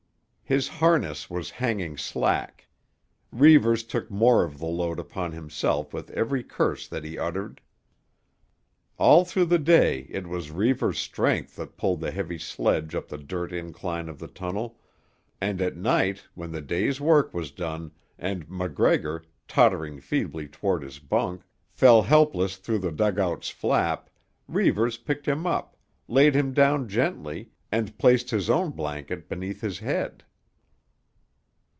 His harness was hanging slack; Reivers took more of the load upon himself with every curse that he uttered. All through the day it was Reivers' strength that pulled the heavy sledge up the dirt incline of the tunnel, and at night, when the day's work was done, and MacGregor, tottering feebly toward his bunk, fell helpless through the dugout's flap, Reivers picked him up, laid him down gently and placed his own blanket beneath his head.